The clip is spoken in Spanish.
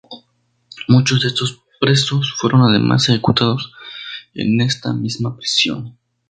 Muchos de estos presos fueron además ejecutados en esta misma prisión.